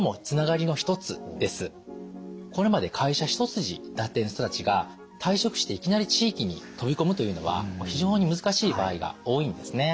これまで会社一筋だったような人たちが退職していきなり地域に飛び込むというのは非常に難しい場合が多いんですね。